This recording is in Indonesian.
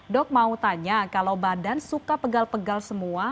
dok mau tanya kalau badan suka pegal pegal semua